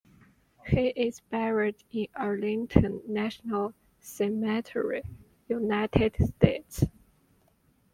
He is buried in Arlington National Cemetery, United States.